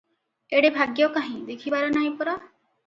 ଏଡ଼େ ଭାଗ୍ୟ କାହିଁ ଦେଖିବାର ନାହିଁ ପରା!